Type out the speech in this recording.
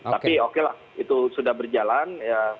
tapi okelah itu sudah berjalan